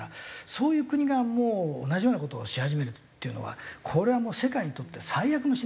そういう国が同じような事をし始めるっていうのはこれはもう世界にとって最悪のシナリオになるんで。